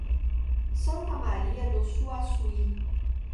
Santa Maria do Suaçuí